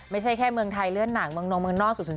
ไม่ใช่แค่เมืองไทยเลื่อนหนังเมืองนงเมืองนอก๐๐